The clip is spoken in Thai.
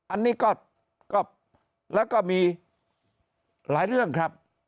อันนี้ก็แล้วก็มีหลายเรื่องครับ